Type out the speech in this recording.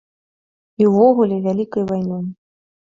І ўвогуле, вялікай вайной.